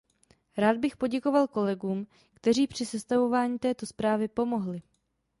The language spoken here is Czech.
Rád bych poděkoval kolegům, kteří při sestavování této zprávy pomohli.